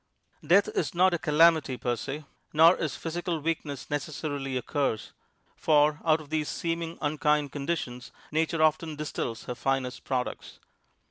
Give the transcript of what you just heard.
Death is not a calamity "per se," nor is physical weakness necessarily a curse, for out of these seeming unkind conditions Nature often distils her finest products.